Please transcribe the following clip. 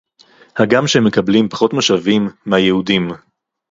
הגם שהם מקבלים פחות משאבים מהיהודים